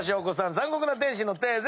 『残酷な天使のテーゼ』